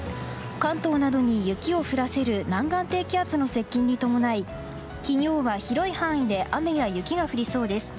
関東などに雪を降らせる南岸低気圧の到来に伴い金曜日は広い範囲で雨や雪が降りそうです。